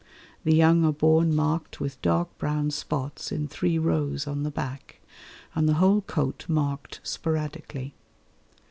The young are born marked with dark brown spots in three rows on the back, and the whole coat marked sporadically.